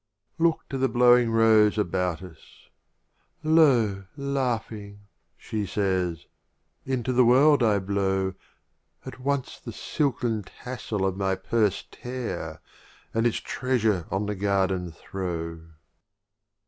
XIV. Look to the blowing Rose about us — "Lo, "Laughing," she says, "into the world I blow, " At once the silken tassel of my Purse "Tear, and its Treasure on the Garden throw."